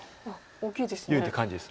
大きいですね。